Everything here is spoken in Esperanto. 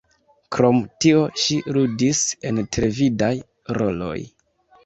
Krom tio ŝi ludis en televidaj roloj.